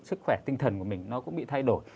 sức khỏe tinh thần của mình nó cũng bị thay đổi